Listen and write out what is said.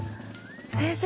先生